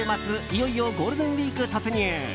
いよいよゴールデンウィーク突入。